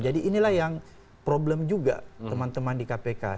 jadi inilah yang problem juga teman teman di kpk